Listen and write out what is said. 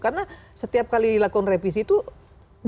karena setiap kali dilakukan revisi itu jelas untuk kepentingan